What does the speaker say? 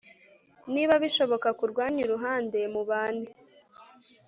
Niba bishoboka ku rwanyu ruhande mubane